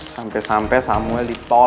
sampai sampai samuel ditolak